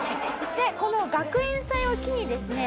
でこの学園祭を機にですね